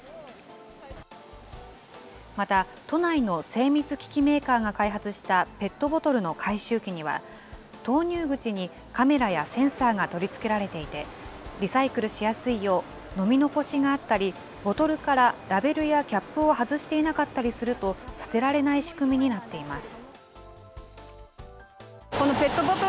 また、都内の精密機器メーカーが開発したペットボトルの回収機には、投入口にカメラやセンサーが取り付けられていて、リサイクルしやすいよう、飲み残しがあったり、ボトルからラベルやキャップを外していなかったりすると、捨てられない仕組みになっています。